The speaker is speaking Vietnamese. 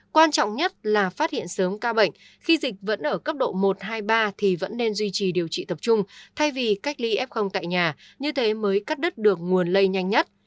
quan trọng nhất là phát hiện sớm ca bệnh khi dịch vẫn ở cấp độ một hai mươi ba thì vẫn nên duy trì điều trị tập trung thay vì cách ly f tại nhà như thế mới cắt đứt được nguồn lây nhanh nhất